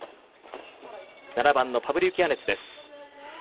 ７番のパブリウキアネツです。